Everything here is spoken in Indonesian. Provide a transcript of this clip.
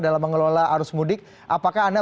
dalam mengelola arus mudik apakah anda